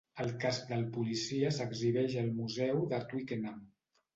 El casc del policia s'exhibeix al museu de Twickenham.